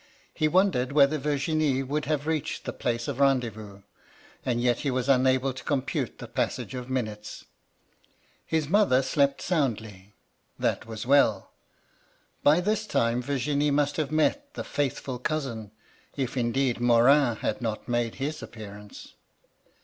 He wondered whether Virginie would have reached the place of rendezvous, and yet he was unable to compute the passage of minutes. His mother slept soundly : that was well. By this time Virginie must have met the ' faithful cousin :' if, indeed, Morin had not made his appearance.